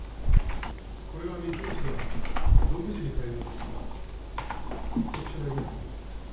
これは三ツ星が独自に開発した特殊な技術です。